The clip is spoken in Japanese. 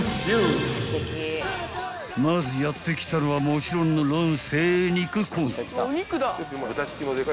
［まずやって来たのはもちろんのろん］